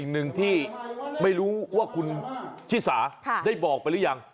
คุณไม่ตามใจฟัง